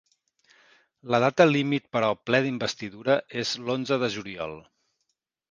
La data límit per al ple d’investidura és l’onze de juliol.